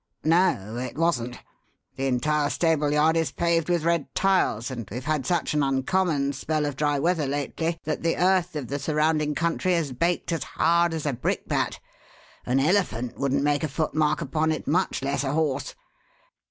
"No, it wasn't. The entire stable yard is paved with red tiles, and we've had such an uncommon spell of dry weather lately that the earth of the surrounding country is baked as hard as a brickbat. An elephant couldn't make a footmark upon it, much less a horse.